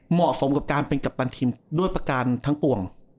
เหมาะสมกับการเป็นกัปตันทีมด้วยประการทั้งปวง